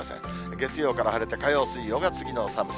月曜から晴れて、火曜、水曜が次の寒さ。